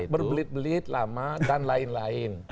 berbelit belit lama dan lain lain